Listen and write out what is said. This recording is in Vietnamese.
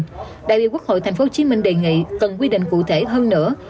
tuy nhiên đại biểu quốc hội tp hcm đề nghị cần quy định cụ thể hơn nữa